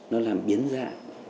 nó làm biến dạng